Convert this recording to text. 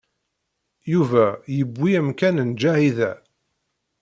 Yuba yewwi amkan n Ǧahida.